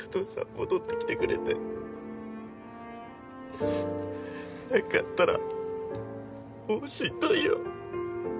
戻ってきてくれて何かあったらもうしんどいよ